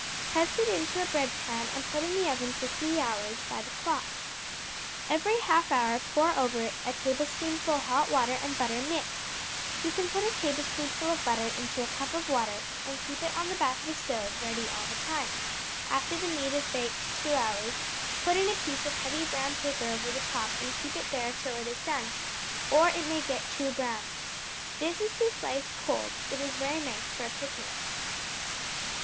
Press it into a bread pan and put in the oven for three hours by the clock. Every half hour pour over it a tablespoonful hot water and butter mixed; you can put a tablespoonful of butter into a cup of water, and keep it on the back of the stove ready all the time; after the meat has baked two hours, put in a piece of heavy brown paper over the top, and keep it there till it is done, or it may get too brown. This is to slice cold; it is very nice for a picnic.